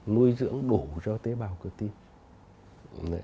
nuôi dưỡng đủ cho tế bào cơ tim